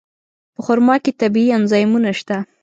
په خرما کې طبیعي انزایمونه شته.